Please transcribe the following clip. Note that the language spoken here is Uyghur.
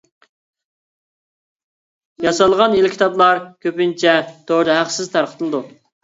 ياسالغان ئېلكىتابلار كۆپىنچە توردا ھەقسىز تارقىتىلىدۇ.